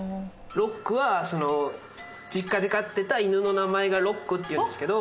ロックはその実家で飼ってた犬の名前がロックっていうんですけど。